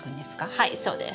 はいそうです。